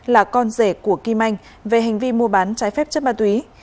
là con rể của kim anh về hành vi mua bán trái phép chất ma túy